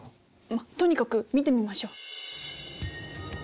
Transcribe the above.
まっとにかく見てみましょう。